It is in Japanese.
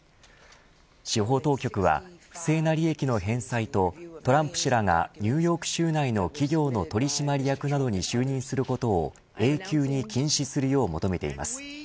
司法当局は不正な利益の返済とトランプ氏らがニューヨーク州内の企業の取締役などに就任することを永久に禁止するよう求めています。